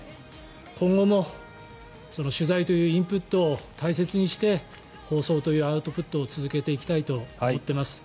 今後も取材というインプットを大切にして放送というアウトプットを続けていきたいと思っています。